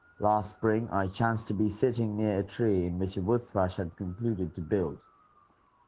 Last spring I chanced to be sitting near a tree in which a wood thrush had concluded to build.